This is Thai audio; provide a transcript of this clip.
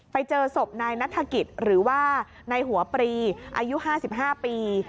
ไปเจอศพนายนัฐกิจหรือว่านายหัวปรีอายุ๕๕ปี